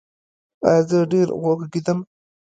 ایا زه ډیر وغږیدم؟